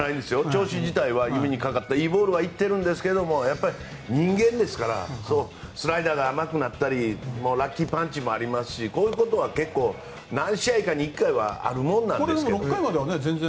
調子自体は指にかかったいいボールはいっているんですがやっぱり人間ですからスライダーが甘くなったりラッキーパンチもありますしこういうことは６回までは問題なかったですよね。